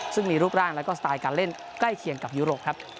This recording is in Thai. ซึ่งมีรูปร่างแล้วก็สไตล์การเล่นใกล้เคียงกับยุโรปครับ